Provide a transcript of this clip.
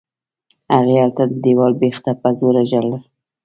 هغې هلته د دېوال بېخ ته په زوره ژړل.